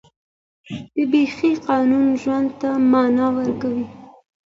د بښې قانون ژوند ته معنا ورکوي.